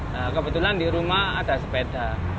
nah kebetulan di rumah ada sepeda